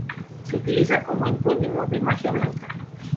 Se utiliza como antónimo de magia blanca.